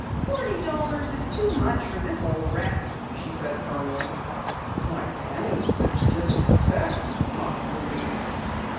"Forty dollars is too much for this old wreck," she said firmly. "Why, Penny, such disrespect!" mocked Louise.